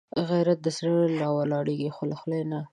غیرت له زړه راولاړېږي، له خولې نه